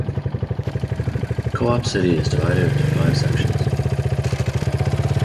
Co-op City is divided into five sections.